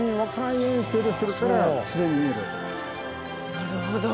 なるほど。